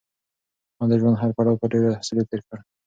ما د ژوند هر پړاو په ډېرې حوصلې تېر کړ.